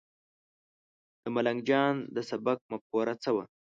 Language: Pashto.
د ملنګ جان د سبک مفکوره څه وه؟